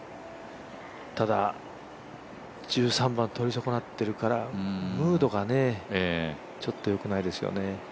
ただ、１３番取り損なってるからムードがちょっとよくないですよね。